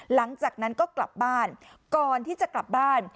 หลังจากนั้นก็กลับบ้านก่อนที่จะกลับบ้าน